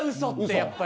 やっぱり。